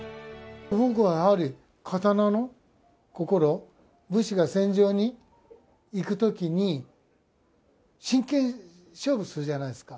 僕はやはり刀の心、武士が戦場に行くときに、真剣勝負するじゃないですか。